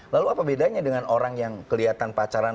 lalu apa bedanya dengan orang yang kelihatan pacaran